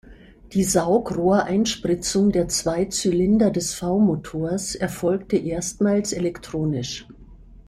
Die Saugrohreinspritzung der zwei Zylinder des V-Motors erfolgte erstmals elektronisch.